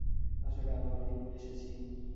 আসলে, আমরা অনেক দূর থেকে এসেছি।